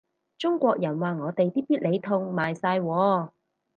中國人話我哋啲必理痛賣晒喎